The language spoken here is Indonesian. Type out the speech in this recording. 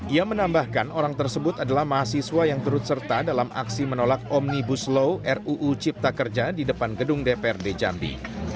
ia menambahkan orang tersebut adalah mahasiswa yang turut serta dalam aksi menolak omnibus law ruu cipta kerja di depan gedung dprd jambi